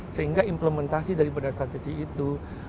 sehingga implementasi dari pada strategi itu